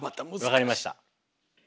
分かりました。